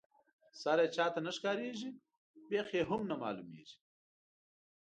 سر یې چاته نه ښکاريږي بېخ یې هم نه معلومیږي.